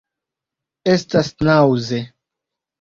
Estas naŭze.